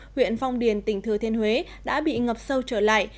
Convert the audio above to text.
huyện phong điền tỉnh thừa thiên huế đã bị ngập sâu trở lại